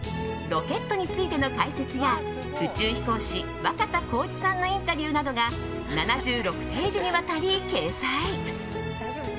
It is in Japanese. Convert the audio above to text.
ロケットについての解説や宇宙飛行士・若田光一さんのインタビューなどが７６ページにわたり掲載。